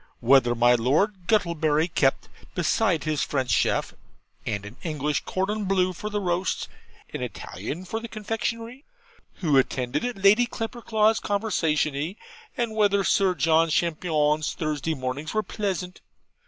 'Whether my Lord Guttlebury kept, besides his French chef, and an English cordonbleu for the roasts, an Italian for the confectionery?' 'Who attended at Lady Clapperclaw's conversazioni?' and 'whether Sir John Champignon's "Thursday Mornings" were pleasant?'